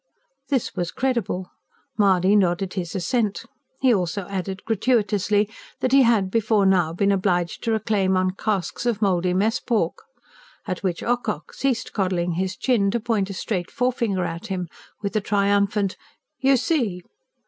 This was credible; Mahony nodded his assent. He also added, gratuitously, that he had before now been obliged to reclaim on casks of mouldy mess pork. At which Ocock ceased coddling his chin to point a straight forefinger at him, with a triumphant: "You see!"